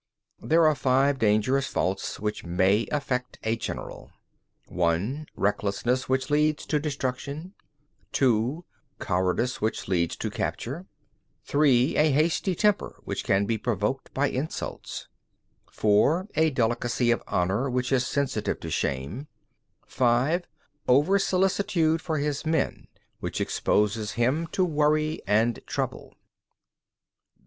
12. There are five dangerous faults which may affect a general: (1) Recklessness, which leads to destruction; (2) cowardice, which leads to capture; (3) a hasty temper, which can be provoked by insults; (4) a delicacy of honour which is sensitive to shame; (5) over solicitude for his men, which exposes him to worry and trouble.